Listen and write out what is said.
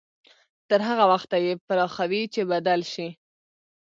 تر هغه وخته يې پراخوي چې بدل شي.